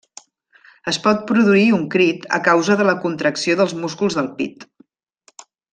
Es pot produir un crit a causa de la contracció dels músculs del pit.